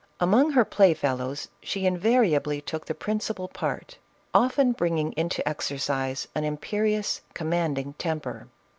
Among her play fellows she invariably took the prin cipal part, often bringing into exercise an imperious, commanding temper.